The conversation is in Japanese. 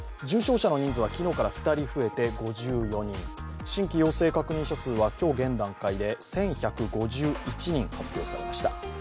重症者の人数は昨日から２人増えて５６人、新規陽性確認者数は今日現段階で１１５１人確認されました。